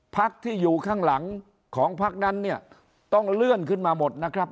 พักที่อยู่ข้างหลังของพักนั้นเนี่ยต้องเลื่อนขึ้นมาหมดนะครับ